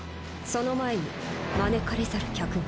その前に招かれざる客が。